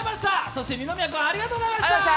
そして二宮君ありがとうございました。